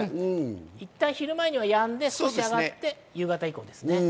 いったん、昼前にはやんで上がって、夕方以降です。